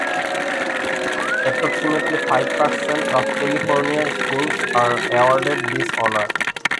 Approximately five percent of California schools are awarded this honor.